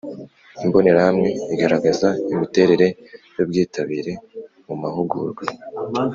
Imbonerahamwe igaragaza imiterere y ubwitabire mu mahugurwa